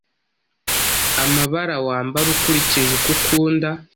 amabara wambara ukurikije uko ukunda